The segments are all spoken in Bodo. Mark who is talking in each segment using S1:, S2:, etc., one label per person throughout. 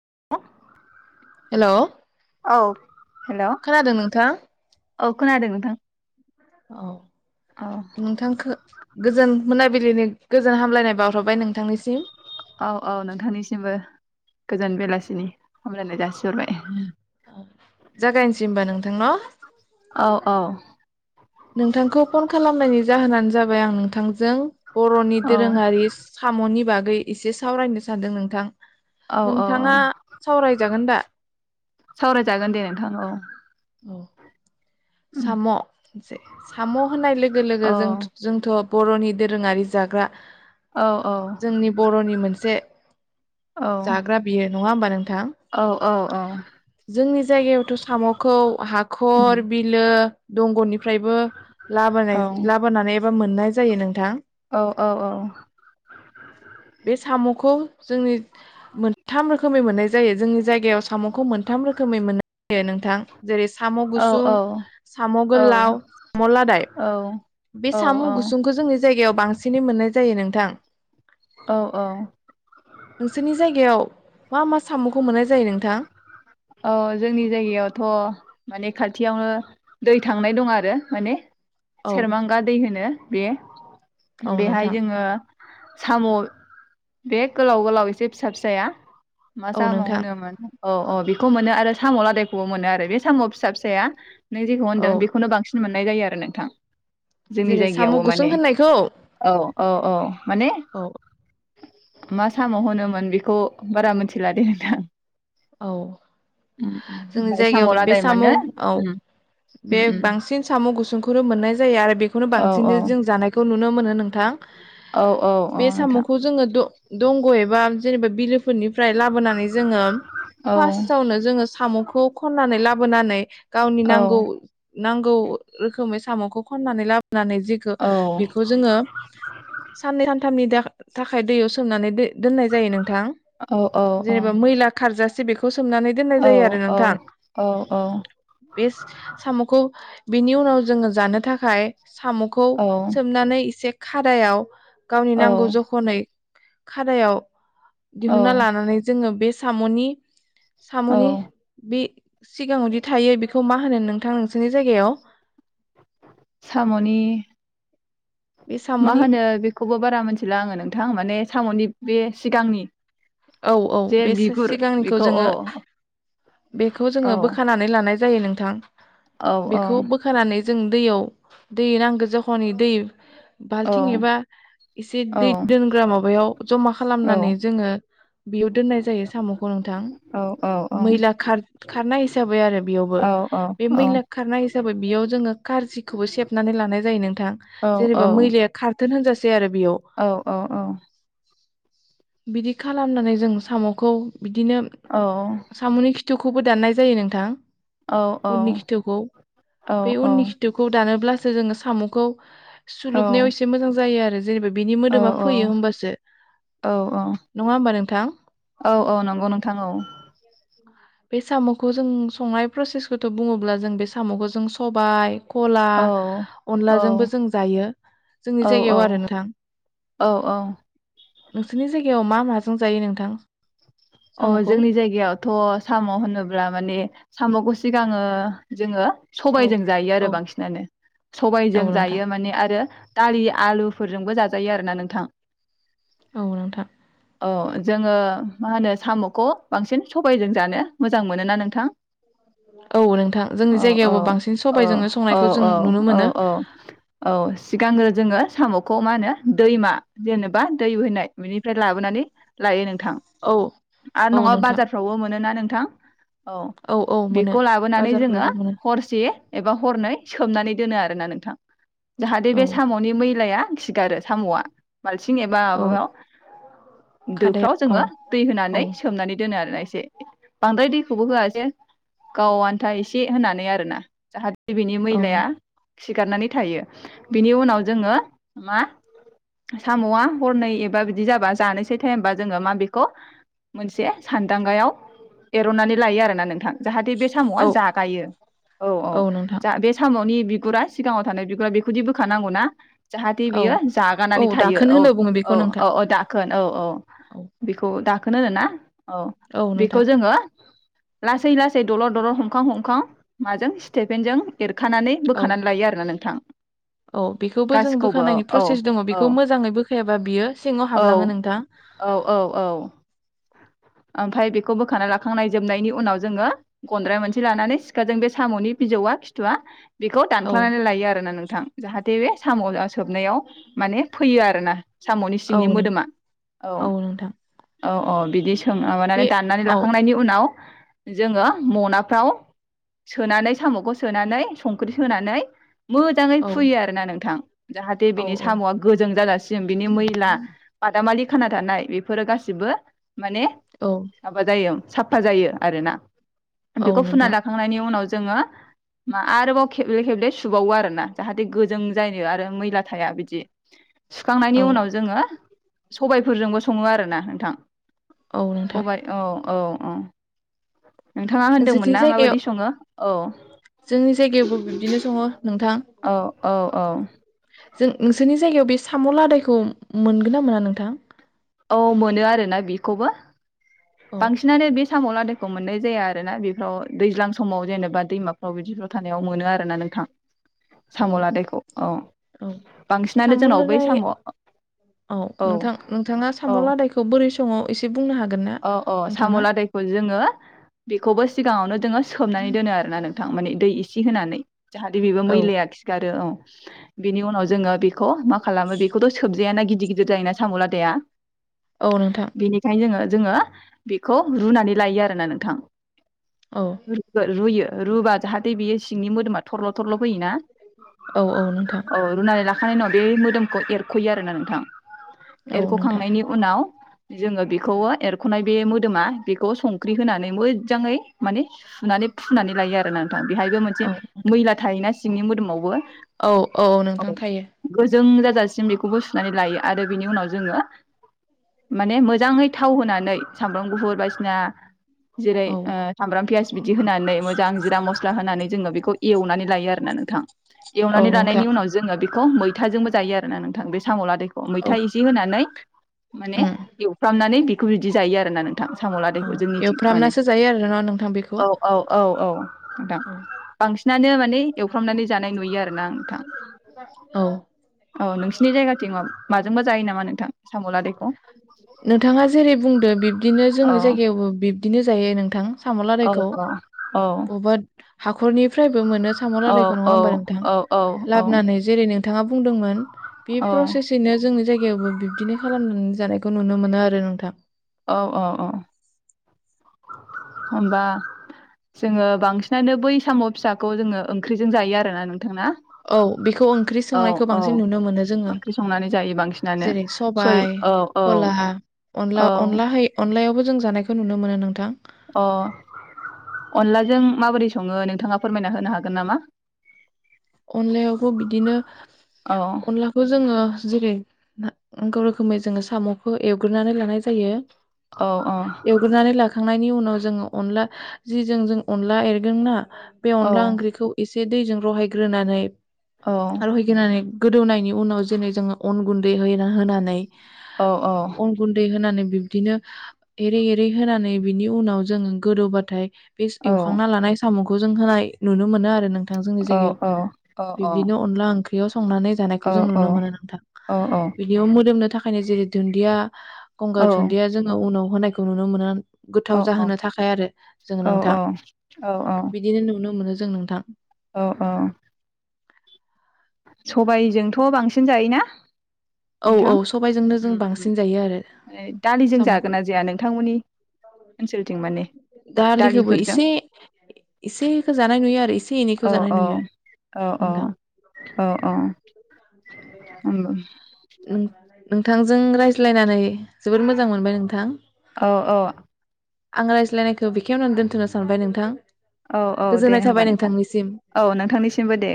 S1: [unintelligible]
S2: हेल'
S1: औ हेल'
S2: नोंथां
S1: औ खोनादों नोंथां।
S2: औ
S1: औ
S2: नोंथांखो गोजोन मोनाबिलिनि गोजोन हामलायनाय बावहरबाय नोंथांनिसिम।
S1: औ औ नोंथांनिसिमबो। गोजान बेलासिनि हमलायानाय जासिहरबाय।
S2: [inaudible] जागायनोसै होमबा नोंथां न'?
S1: औ औ
S2: नोंथांखौ फन खालामनायनि जाहोनानो जाबाय आं नोंथांजों बर'नि
S1: औ
S2: दोरोङारि साम'नि बागै एसे सावरायनो सानदों नोंथां।
S1: औ औ औ
S2: नोंथाङा सावरायजागोन दा
S1: सावरायजागोन दे नोंथां औ।
S2: औ साम' साम' होननाय लोगो लोगो
S1: औ
S2: जों जोंथ' बर'नि दोरोङारि जाग्रा
S1: औ
S2: जोंनि बर'नि मोनसे से
S1: औ
S2: जाग्रा बियो। नङा होमबा नों थां
S1: औ औ
S2: जोंनि जायायावथ' साम'खौ हाखर बिलो दंगनिफ्रायबो लाबोनाय लाबोनानै बा मोननाय जायो नोंथां।
S1: औ औ औ
S2: बे साम'खौ जोंनि मोनथाम रोखोमै मोननाय जायो जोंनि जायगायाव साम'खौ मोनथाम रोखोमै मोननाय जायो नोंथां जेरै साम' गुसुं साम'गोलाव साम'लादाय बे साम' गुसुंखौ जों जायगायाव बांसिनै मोननाय जायो नोंथां।
S1: औ औ
S2: नोंसोरनि जायगायाव मा मा साम'खौ मोननाय जायो नोंथां
S1: औ जोंनि जायगायावथ' माने खाथियावनो दै थांनाय दं आरो माने
S2: औ
S1: सेरमांगा दै होनो बे
S2: औ
S1: बेहाय
S2: नोंथां
S1: जोङो साम' बे गोलाव गोलाव एसे फिसा फिसाया मा
S2: औ
S1: सामाव
S2: नोंथां
S1: होनोन अ अ खौ मोनो आरो साम' लादायखौबो मोनो आरो बे साम' फिसा फिसाया नों जेखौ
S2: औ
S1: होनदों बेखौनो बांसिन मोननाय जायो आरो नोंथां जोंनि
S2: जेरै साम'
S1: जायगायावबो
S2: गुसुं
S1: माने
S2: होननायखौ
S1: औ औ औ माने
S2: औ
S1: मा साम होनोमोन बेखौ बारा मोनथिलादे नोंथां
S2: औ
S1: उम उम
S2: जोंनि
S1: ओमफ्राय साम'
S2: जायगायाव बे
S1: लादाय
S2: साम'
S1: मोनो
S2: औ
S1: उम
S2: बे
S1: उम उम
S2: बांसिन साम' गुसुंखौनो मोननाय जायो आरो बेखौनो
S1: औ
S2: बांसिनै जों जानायखौ नुनो मोनो नोंथां
S1: औ औ औ
S2: बे
S1: नोंथां
S2: साम'खौ जोङो दंग' एबा जेनेबा बिलोफोरनि ओमफ्राय लाबोनानै जोङो
S1: औ
S2: फासावनी जोङो साम'खौ खन्नानै लाबोनानै गावनि
S1: औ
S2: नांगौ नांगौ रोखोमै साम'खौ खननानै लाब नानै जेखौ बेखौ जोङो साननै सानथामनि दा थाखाय दैयाव सोमनानै द दोननाय जायो नोंथां
S1: औ
S2: जेनेबा मैला खारजा जे बेखौ सोमनानै दोननाय
S1: औ
S2: जायो आरो नोंथां
S1: औ
S2: बे साम'खौ बिनि उनाव जोङो जानो थाखाय साम'खौ सोमनानै एसे खादायाव गावनि
S1: औ
S2: नांगौ जखनै खादायाव दिहुनना लानानै जोङो बे सामनि
S1: औ
S2: साम'नि बे सिगाङावदि थायो बेखौ मा होनो नोंथां नोंसिनि जायगायाव?
S1: साम'नि
S2: बे
S1: मा
S2: साम'नि
S1: होनो बेखौबो बारा मिथिला आङो नोंथां। माने साम'नि बे सिगांनि
S2: औ औ
S1: जे
S2: बे सो
S1: बिगुर
S2: सिगांनिखौ
S1: बेखौ
S2: जोङो
S1: औ
S2: बेखौ
S1: औ
S2: जोङो बोखानानै लानाय जायो नोंथां।
S1: औ औ
S2: बेखौ बोखानानै जों दैयाव दै नांगौ जखनि दै
S1: औ
S2: बाल्थिं एबा एसे
S1: औ
S2: दै दोनग्रा माबायाव जमा
S1: औ
S2: खालामनानै जोङो बेयाव दोननाय जायो साम'खौ नोंथां।
S1: औ औ
S2: मैला खार खारनाय हिसाबै आरो बेयावबो
S1: औ औ
S2: बे मैला खारनाय हिसाबै बेयाव जोङो खारजिखौबो सेबनानै लानाय जायो नोंथां
S1: औ
S2: जेनेबा मैलाया खारथो होनजा से आरो बेयाव
S1: औ औ औ
S2: बिदि खालामनानै जों साम'खौ बिदिनो साम'नि कि थुखौबो दान्नाय जायो नोंथां। उननि खिथुखौ बे उननि खिथुखौ दा नोब्लासो जोङो साम'खौ सुलोबनायाव एसे मोजां जायो आरो। जेनेबा बिनि
S1: औ औ
S2: मोदोमा फैयो होमबासो
S1: औ
S2: नङा होमबा नोंथां
S1: औ औ औ नंगौ नोंथां औ। [inaudible]
S2: बे साम'खौ जों संनाय प्रसेसखौथ' बुङोब्ला जों बे साम'खौ जों सबाय कला
S1: औ औ
S2: अनलाजोंबो जों जायो। जोंनि जायगायाव आरो
S1: औ
S2: नोंथां।
S1: औ औ
S2: नोंसोरनि जायगायाव मा मा जों जायो नोंथां
S1: अ
S2: साम'खौ
S1: जोंनि जायगायावथ' साम' होनोब्ला माने साम'खौ सिगाङो जोङो
S2: औ
S1: सबायजों जायो
S2: औ
S1: आरो बांसिनानो। सबजों
S2: औ नोंथां
S1: जायो माने आरो दालि आलुफोरजोंबो जाजायो आरो ना नोंथां।
S2: औ नोंथां।
S1: औ जोङो मा होनो। साम'खौ बांसिन सबायजों जानो मोजां मोनोना नोंथां!
S2: औ नोंथां जोंनि
S1: औ औ
S2: जायगायावबो बांसिन
S1: औ
S2: सबायजोंनो
S1: औ
S2: संनायखौ जों
S1: औ
S2: नुनो
S1: औ
S2: मोनो
S1: औ औ सिगांग्रो जोङो। साम'खौ मा होनो दैमा जेनेबा दै बोहैनाय बेनिफ्राय लाबोनानै लायो नोंथां।
S2: औ
S1: आरो
S2: औ
S1: नङा
S2: नोंथां
S1: बाजारफ्रावबो मोनोना नों थां औ
S2: औ मोनो
S1: बेखौ लाबोनानै जोङो
S2: बाजारफोरावबो मोनो
S1: हरसे एबा हरनै सोमनानै दोनो आरो। ना नोंथां। जाहाथे बे
S2: औ
S1: साम'नि मैलाया गिगारो साम'आ बाल्थिं एबा
S2: औ
S1: माबायाव
S2: खादायाव
S1: दोफ्राव
S2: औ
S1: जोङो
S2: औ
S1: होनानै सोमनानै दोनो। बांद्राय दैखौबो होआ जे गाव आन्था एसे होनानै आरोना जाहाथे। नैबेनि मैलाया
S2: औ
S1: खिगारनानै थायो बिनि उनाव जोङो मा साम'आ हरनै एबा बिदि जाबा जानोसै टाइमबा जों माबेखौ खौ मोनसे सानदांगायाव एरनानै लायो आरोना नोंथां। जाहाथे बे साम'आ
S2: औ
S1: जागायो औ औ जा बे साम'नि। बिगुरा सिगाङाव थानाय बिगुरा बेखौदि बोखानांगौ ना। जाहाथे
S2: औ
S1: बियो
S2: औ
S1: जागानानै थायो
S2: दाखोन
S1: औ
S2: होनो बुङो बेखौ
S1: औ
S2: नोंथां
S1: औ औ दाखोन औ औ।
S2: औ
S1: बेखौ दाखोन होनो ना। औ बेखौ जोङो लासै लासै दलर दलर हमखां हमखां माजों स्टेफेनजों एर खानानै
S2: औ
S1: बोखानानै लायो आरोना नोंथां।
S2: औ बेखौबो जों
S1: गासिखौबो
S2: बोखानायनि
S1: औ
S2: प्रसेस दङ
S1: औ
S2: बेखौ मोजाङै बोख फैयाबा बियो सिङाव
S1: औ
S2: हाबलाङो नोंथां।
S1: ओमफाय बेखौ बोखांना लाखांनाय जोबनायनि उनाव जोङो गन्द्राय मोनसे लानानै सिखाजों बे साम'नि बिजौआ खिथुवा बेखौ
S2: औ
S1: दानख्ल'नानै लायो आरोना नोंथां जाहाथे बे साम' सोबनायाव माने फैयो आरो ना साम'नि
S2: औ
S1: सिंनि
S2: नों
S1: मोदोमा औ। औ औ बिदि माबानानै
S2: बे
S1: दाननानै
S2: औ
S1: लाखांनायनि उनाव जोङो म'नाफ्राव सोनानै साम'खौ सोनानै संख्रि होनानै मोजाङै
S2: औ
S1: फुयो आरो ना नोंथां जाहाथे
S2: औ
S1: बिनि
S2: औ
S1: साम'आ गोजों जाजासिम बिनि मैला बादामालि खाना थानाय बेफोरो गासिबो म [unintelligible]
S2: औ
S1: साफा जायो आरोना
S2: औ
S1: बेखौ फुना
S2: नोंथां
S1: लाखांनायनि उनाव जोङो मा आरोबाव खेबले खेबले सुबावो आरोना जाहाथे गोजों जायो आरो मैला थाया बिदि सुखांनायनि
S2: औ
S1: उनाव जोङो सबायफोरजोंबो सङो आरोना नों थां
S2: औ नोंथां
S1: सबाय औ औ अ नोंथाङा होन्दोंमोन
S2: नोंसोरनि
S1: ना
S2: जायगायाव
S1: माबायदि सङो औ
S2: जोंनि जायगायावबो बिब्दिनो सङो नोंथां
S1: औ औ औ
S2: जों नोंसोरनि जायगायाव बे साम' आदायखौ मोनगोन ना मोना नोंथां
S1: औ मोनो आरोना बेखौबो
S2: औ
S1: बांसिनानो बे सामलादाय मोननाय जाया आरोना बेफ्राव दैज्लां समाव जेनेबा दैमाफ्राव बिदिफ्राव थानायाव मोनो आरोना नोंथां
S2: औ
S1: साम' लादायखौ औ
S2: औ
S1: बांसिनानो
S2: साम'
S1: जोंनाव बै
S2: लादाय
S1: साम' अ औ औ
S2: संङो एसे बुंनो हागोन ना?
S1: अ अ साम'
S2: नोंथाङा
S1: लादायखौ जोङो बेखौबो सिगाङावनो जोंङो सोमनानै दोनो आरो ना नोंथां मानि दै इसे होनानै जाहाथे बेबो
S2: औ
S1: मैलाया खिगारो औ बिनि उनाव जोङो बे खौ मा खालामो बेखौथ' सोबजायाना गि दिर गिदिर जायोना साम'लादाया
S2: औ नोंथां
S1: बेनिखायनो जोङो जोङो बेखौ रुनानै लायो आरोना नोंथां।
S2: औ
S1: रु-रुयो रुबा जाहाथे बेयो सिंनि मोदोमा थरल' थरल' फैयोना
S2: औ औ नोंथां
S1: औ रुनानै लाखानाय उनाव बे मोदोम खौ एर ख'यो आरोना नोंथां।
S2: औ नोंथां
S1: एरख'खांनायनि उनाव जोङो बेखौ एरख'नाय बे मोदोमा बेखौ संख्रि होनानै मोजाङै माने सुनानै फुनानै लायो आरोना नोंथां बेहायबो मोनसे
S2: औ नोंथां
S1: मैला थायोना सिंनि मोदोमावबो
S2: औ औ नोंथां थायो।
S1: जासिम बेखौबो सुनानै लायो आरो बेनि उनाव जोङो [inaudible] माने मोजाङै थाव होनानै सामब्राम गुफुर बायदिसिना जेरै
S2: औ
S1: ओ सामब्राम पियास बिदि होनानै मोजां जिरा मस्ला होनानै जोङो बेखौ एवनानै लायो आरोना नोंथां।
S2: औ
S1: एवनानै लानायनि
S2: नोंथां
S1: उनाव जोङो बे- खौ मैथाजोंबो जायो आरो ना नोंथां बे साम'लादायखौ।
S2: औ
S1: मैथा इसे होनानै माने
S2: उम
S1: एवफ्रामनानै बि- दि जायो आरो ना नों थां
S2: औ
S1: साम'लादायखौ जोंनिंथिं माने।
S2: एवफ्रामनासो जायो आरोना नोंथां बेखौ
S1: [inaudible] औ औ औ औ नोंथां
S2: औ
S1: बांसिनानो माने एवफ्रामनानै जानाय नुयो आरोना नोंथां
S2: औ
S1: [inaudible] औ नोंसिनि जायगाथिं माजोंबा जायो ना- मा नोंथां साम'लादाय-
S2: [inaudible] नोंथाङा जेरै बुं- दो बि- दिनो
S1: औ
S2: जोंनि जायगायावबो बिबदिनो जायो नोंथां।
S1: औ
S2: साम'लादायखौ
S1: औ औ
S2: बबा हा- हाखरनिफ्रायबो मोनो
S1: औ
S2: साम'लादखौ नङा
S1: औ
S2: होम्बा नोंथां
S1: औ
S2: लाबनानै जेरैनो नोंथाङा बुंदोंमोन बे
S1: औ
S2: प्रसेसयैनो जोंनि जाय गायावबो बिब्दिनो खालामनानै जानायखौ नुनो मोनो आरो नोंथां
S1: औ औ औ [inaudible] होनबा जोङो बांसिनानो बै साम' फिसाखौ जोङो ओंख्रिजों जायो आरोना नों
S2: औ बेखौ ओंख्रि सोंनायखौ
S1: औ
S2: बांसिन नुनो मोनो जोङो
S1: ओंख्रि संनानै जायो
S2: [inaudible]
S1: बांसिनानो
S2: जेरै
S1: सय
S2: सबाय
S1: औ औ
S2: खरला अनला
S1: औ
S2: अनला है अन लायावबो जों जानायखौ नुनो मोनो नोंथां
S1: ओ अनलाजों माबोरै सङो नोंथाङा फोरमायना होनो हागोन नामा?
S2: अनलायावबो बिदिनो
S1: औ
S2: अनलाखौ जोङो जेरै गाव रोखोमै जोङो साम'खौ एवग्रोनानै लानाय जायो
S1: औ औ
S2: एवग्रोनानै लाखांनायनि उना औ जोङो अनला जिजों जों अनला एरगोन ना बे
S1: औ
S2: अनला ओंख्रिखौ एसे बे दैजों रहाय ग्रोनानै
S1: औ
S2: आरो हैगोनानै गोदोहोनायनि उनाव जेनै जोङो अन गुन्दै हैना होनानै।
S1: औ औ
S2: अन गुन्दै होनानै। बिब्दिनो एरै एरै होनानै बिनि उनाव जों गोदौबाथाय। बेस
S1: औ
S2: एवखांना लानाय साम' खौ जों होनाय नुनो मोनो आरो। नोंथां जोंनि
S1: औ
S2: जायगायाव।
S1: औ ओ ओ।
S2: बिब्दिनो अनला ओंख्रियाव संनानै जानायखौ जों नुनो मोनो नोंथां।
S1: औ
S2: बिदियाव मोदोमनो थाखायनो जेरै दुन्दिया गंगार दुन्दिया जोङो उनाव होननायखौ नुनो मोनो। गोथाव जाहोनो थाखाय आरो जों
S1: औ
S2: नोंथां। बिदिनो नुनो मोनो जों‌। जों नोंथां‌।
S1: औ औ। सबायजोंथ' बांसिन जायोना?
S2: औ औ
S1: नोंथां?
S2: सबायजोंनो जों
S1: उम उम
S2: बांसिन जायो आरो
S1: ओइ दालिजों जागोन
S2: साम'खौ
S1: ना जाया नोंथांमोननि ओनसोलथिं माने
S2: दालिखौबो
S1: दालिफोरजों
S2: एसे एसेखौ जानाय नुयो आरो एसे
S1: औ
S2: एनैखौ जानाय नुयो नोंथां।
S1: अ' अ' नंगौ।
S2: उम। नोंथांजों रायज्लायनानै जोबोर मोजां मोनबाय नोंथां।
S1: औ
S2: आं रायज्लायनायखौ बेखेवनो दोन्थ'नो सानबाय नोंथां।
S1: औ औ दे
S2: गोजोननाय
S1: होमबा
S2: थाबाय
S1: नोंथां
S2: नोंथांनिसिम
S1: औ नोंथांनिसिमबो दे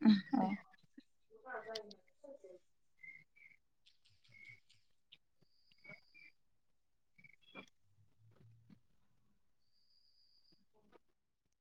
S1: उम
S2: दे
S1: औ।